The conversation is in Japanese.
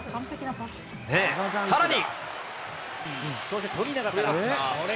さらに。